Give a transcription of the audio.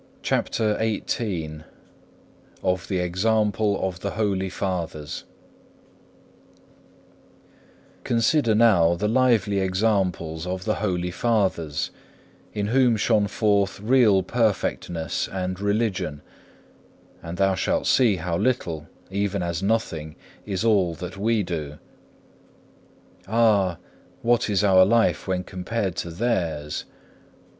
CHAPTER XVIII Of the example of the holy fathers Consider now the lively examples of the holy fathers, in whom shone forth real perfectness and religion, and thou shalt see how little, even as nothing, is all that we do. Ah! What is our life when compared to theirs?